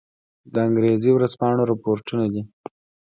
د انګرېزي ورځپاڼو رپوټونه دي.